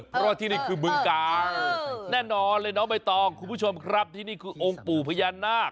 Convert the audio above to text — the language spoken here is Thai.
เพราะว่าที่นี่คือบึงกาลแน่นอนเลยน้องใบตองคุณผู้ชมครับที่นี่คือองค์ปู่พญานาค